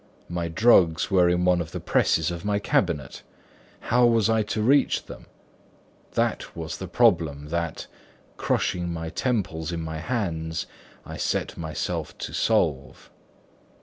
My drugs were in one of the presses of my cabinet; how was I to reach them? That was the problem that (crushing my temples in my hands) I set myself to solve.